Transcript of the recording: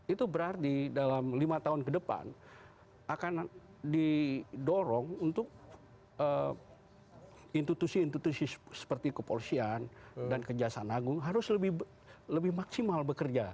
itu berarti dalam lima tahun ke depan akan didorong untuk institusi institusi seperti kepolisian dan kejaksaan agung harus lebih maksimal bekerja